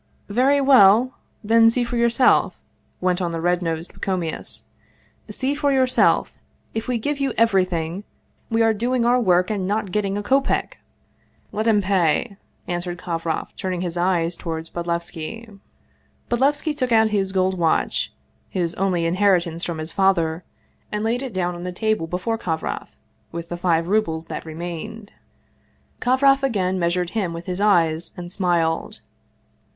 " Very well, then, see for yourself," went on the red nosed Pacomius, " see for yourself. If we give you every thing, we are doing our work and not getting a kopeck !"" Let him pay," answered Kovroff, turning his eyes to ward Bodlevski. Bodlevski took out his gold watch, his only inheritance from his father, and laid it down on the table before Kov roff, with the five rubles that remained. Kovroff again measured him with his eyes and smiled.